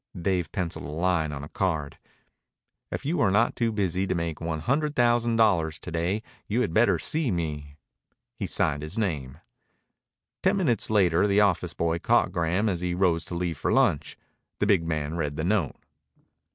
Dave penciled a line on a card. If you are not too busy to make $100,000 to day you had better see me. He signed his name. Ten minutes later the office boy caught Graham as he rose to leave for lunch. The big man read the note.